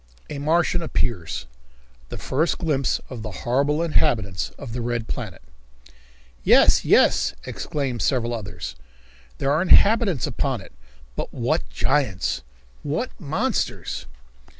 A Martian Appears! The First Glimpse of the Horrible Inhabitants of the Red Planet. "Yes, yes!" exclaimed several others, "there are inhabitants upon it, but what giants!" "What monsters!"